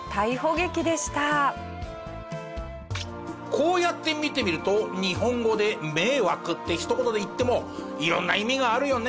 こうやって見てみると日本語で迷惑って一言で言っても色んな意味があるよね。